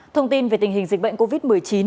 thông tin về tình hình dịch bệnh covid một mươi chín